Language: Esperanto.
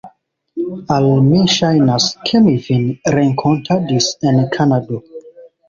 Al mi ŝajnas, ke mi vin renkontadis en Kanado.